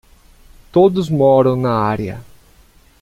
Todos moram na área.